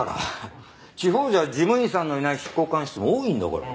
地方じゃ事務員さんのいない執行官室も多いんだから。